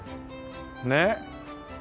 ねっ。